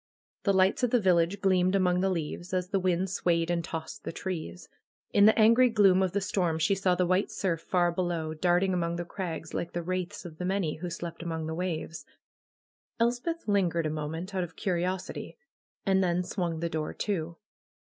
The lights of the village gleamed among the leaves, as the wind swayed and tossed the trees. In the angry gloom of the storm, she saw the white surf far below, darting among the crags like the wraiths of the many who slept among the waves. Els peth lingered a moment out of curiosity, and then swung the door to.